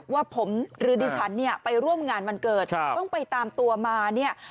ว่าผมหรือดิฉันเนี่ยไปร่วมงานวันเกิดต้องไปตามตัวมาเนี่ย